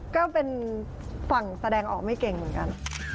ก็เป็นฝั่งแสดงออกไม่เก่งเหมือนกัน